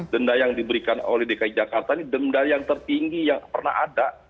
denda yang diberikan oleh dki jakarta ini denda yang tertinggi yang pernah ada